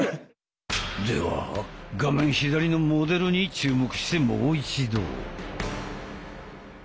では画面左のモデルに注目してもう一度。